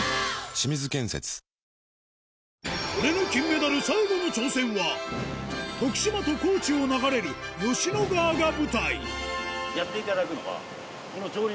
清水建設「俺の金メダル」最後の挑戦は徳島と高知を流れる吉野川が舞台はい。